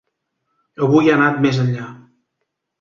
Avui ha anat més enllà.